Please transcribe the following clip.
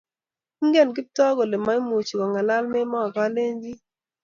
Ingen Kiptoo kole maimuchi kong'alal Memo Kalenjin.